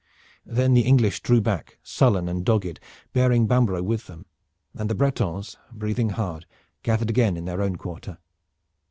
Then the English drew back, sullen and dogged, bearing Bambro' with them, and the Bretons, breathing hard, gathered again in their own quarter.